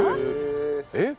えっ？